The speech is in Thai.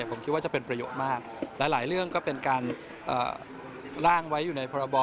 ผมคิดว่าจะเป็นประโยชน์มากหลายเรื่องก็เป็นการร่างไว้อยู่ในพรบ